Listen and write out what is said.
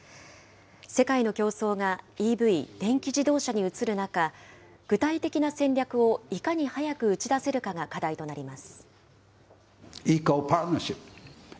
世界の競争がＥＶ・電気自動車に移る中、具体的な戦略をいかに早く打ち出せるかが課題となります。